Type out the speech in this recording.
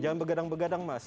jangan begadang begadang mas